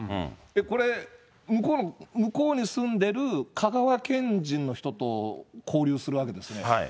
これ、向こうに住んでる香川県人の人と交流するわけですよね。